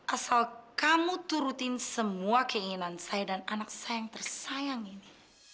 asal kamu turutin semua keinginan saya dan anak saya yang tersayang ini